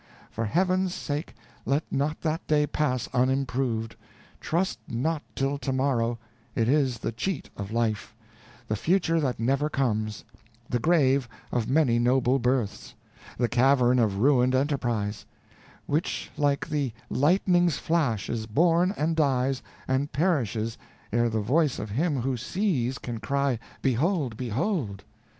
For Heaven's sake let not that day pass unimproved: trust not till tomorrow, it is the cheat of life the future that never comes the grave of many noble births the cavern of ruined enterprise: which like the lightning's flash is born, and dies, and perishes, ere the voice of him who sees can cry, _behold! behold!!